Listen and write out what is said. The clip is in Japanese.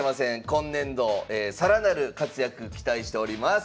今年度更なる活躍期待しております。